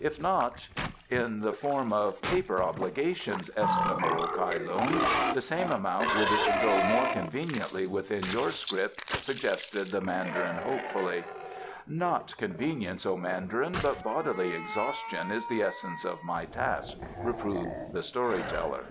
If not " "In the form of paper obligations, estimable Kai Lung, the same amount would go more conveniently within your scrip," suggested the Mandarin hopefully. "Not convenience, O Mandarin, but bodily exhaustion is the essence of my task," reproved the story teller.